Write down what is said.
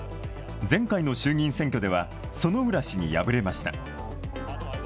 前回の衆議院選挙では薗浦氏に敗れました。